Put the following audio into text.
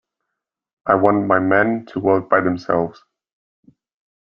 I want my men to work by themselves.